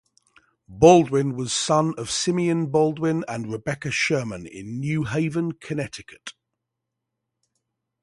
Baldwin was son of Simeon Baldwin and Rebecca Sherman in New Haven, Connecticut.